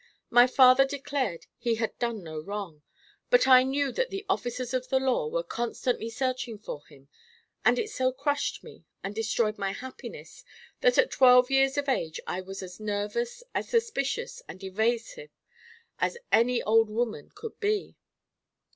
My father declared he had done no wrong, but I knew that the officers of the law were constantly searching for him and it so crushed me and destroyed my happiness that at twelve years of age I was as nervous, as suspicious and evasive as any old woman could be."